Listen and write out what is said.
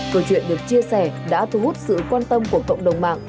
câu chuyện được chia sẻ đã thu hút sự quan tâm của cộng đồng mạng